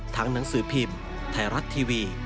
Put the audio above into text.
หนังสือพิมพ์ไทยรัฐทีวี